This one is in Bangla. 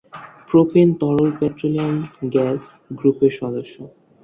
প্রোপেন তরল পেট্রোলিয়াম গ্যাস গ্রুপের সদস্য।